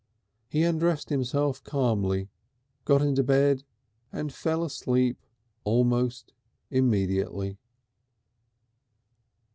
He undressed himself calmly, got into bed, and fell asleep almost immediately.